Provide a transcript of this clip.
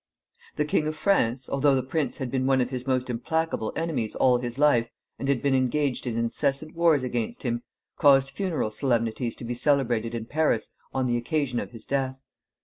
] The King of France, although the prince had been one of his most implacable enemies all his life, and had been engaged in incessant wars against him, caused funeral solemnities to be celebrated in Paris on the occasion of his death.